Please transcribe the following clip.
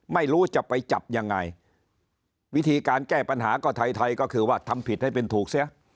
ไม่รู้จะไปจับยังไงวิธีการแก้ปัญหาก็ไทยไทยก็คือว่าทำผิดให้เป็นถูกเสีย